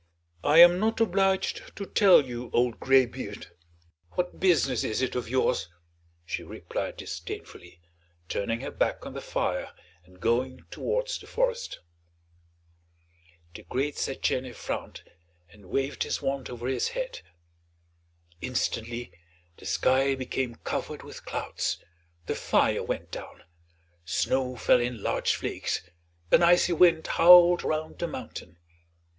"I am not obliged to tell you, old graybeard; what business is it of yours?" she replied disdainfully, turning her back on the fire and going towards the forest. The great Setchène frowned, and waved his wand over his head. Instantly the sky became covered with clouds, the fire went down, snow fell in large flakes, an icy wind howled round the mountain.